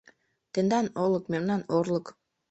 Тендан олык, мемнан орлык